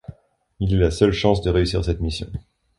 Il est la seule chance de réussir cette mission.